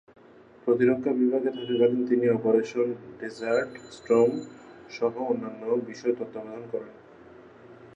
প্রতিরক্ষা বিভাগে থাকাকালীন তিনি অপারেশন ডেজার্ট স্টর্ম-সহ অন্যান্য বিষয় তত্ত্বাবধান করেন।